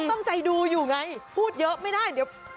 ต้องดูอยู่ไงพูดเยอะไม่ได้